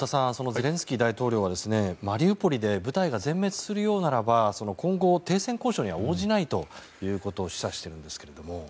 ゼレンスキー大統領がマリウポリで部隊が全滅するようならば今後、停戦交渉には応じないということを示唆しているんですけれど。